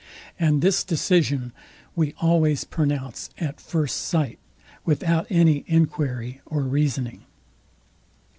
And this decision we always pronounce at first sight, without any enquiry or reasoning.